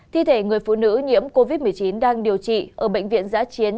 thi thể người phụ nữ nhiễm covid một mươi chín đang điều trị ở bệnh viện giã chiến